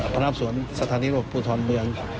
พร้อมครับปืน